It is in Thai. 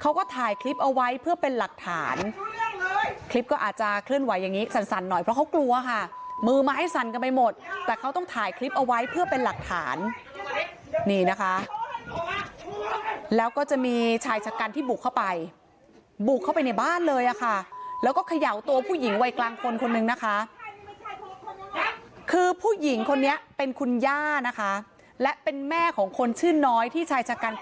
เขาก็ถ่ายคลิปเอาไว้เพื่อเป็นหลักฐานคลิปก็อาจจะเคลื่อนไหวอย่างนี้สั่นหน่อยเพราะเขากลัวค่ะมือไม้สั่นกันไปหมดแต่เขาต้องถ่ายคลิปเอาไว้เพื่อเป็นหลักฐานนี่นะคะแล้วก็จะมีชายชะกันที่บุกเข้าไปบุกเข้าไปในบ้านเลยอะค่ะแล้วก็เขย่าตัวผู้หญิงวัยกลางคนคนนึงนะคะคือผู้หญิงคนนี้เป็นคุณย่านะคะและเป็นแม่ของคนชื่อน้อยที่ชายชะกัน